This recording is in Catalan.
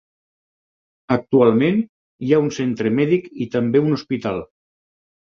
Actualment hi ha un centre mèdic i també un hospital.